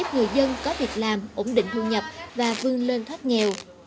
người dân có việc làm ổn định thu nhập và vươn lên thoát nghèo